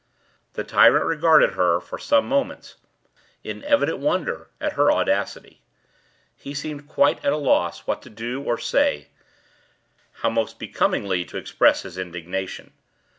The tyrant regarded her, for some moments, in evident wonder at her audacity. He seemed quite at a loss what to do or say—how most becomingly to express his indignation.